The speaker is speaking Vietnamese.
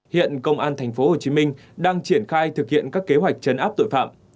hiện công an thành phố hồ chí minh đang triển khai thực hiện các kế hoạch chấn áp tội phạm